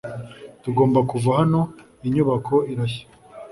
tugomba kuva hano. inyubako irashya